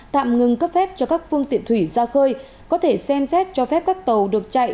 tạm ngừng cấp phép cho các phương tiện thủy ra khơi có thể xem xét cho phép các tàu được chạy